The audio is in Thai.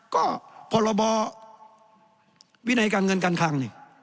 ก็พรบวินัยการเงินการคลังนี่